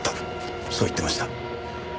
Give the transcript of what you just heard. そう言ってました。